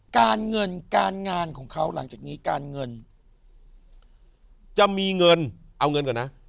การเงินการงานของเขาหลังจากนี้การเงินจะมีเงินเอาเงินก่อนนะ